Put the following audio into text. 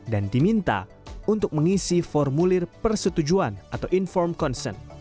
dan diminta untuk mengisi formulir persetujuan atau informed consent